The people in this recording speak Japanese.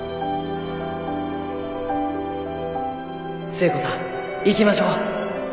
寿恵子さんいきましょう。